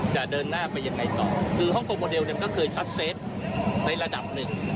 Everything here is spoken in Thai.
จะเดินหน้าไปยังไงต่อคือห้องโครงโมเดลเนี่ยมันก็เคยในระดับหนึ่ง